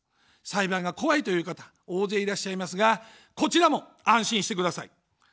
裁判が怖いという方、大勢いらっしゃいますが、こちらも安心してください。